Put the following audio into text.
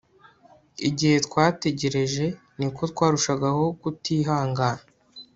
igihe twategereje, niko twarushagaho kutihangana